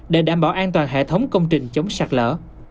để đảm bảo an toàn hệ thống công trình chống sạt lỡ